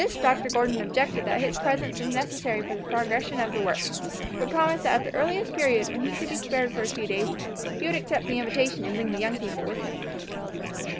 To this Dr. Gordon objected that his presence was necessary for the progression of the work, but promised that at the earliest period when he could be spared for a few days, he would accept the invitation and bring the young people with him.